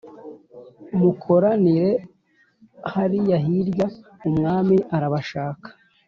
mukoranire hariyahirya umwami arabashaka